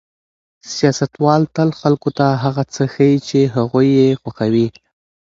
سیاستوال تل خلکو ته هغه څه ښيي چې هغوی یې خوښوي.